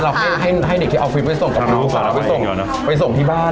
เราให้ให้เด็กที่เอาคลิปไว้ส่งกับน้องก่อนเราไปส่งไปส่งที่บ้าน